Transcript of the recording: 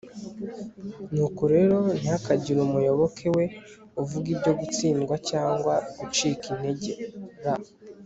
nuko rero, ntihakagire umuyoboke we uvuga ibyo gutsindwa cyangwa gucika integer